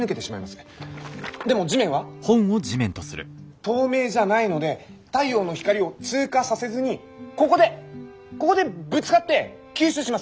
でも地面は透明じゃないので太陽の光を通過させずにここでここでぶつかって吸収します。